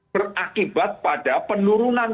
berakibat pada penurunan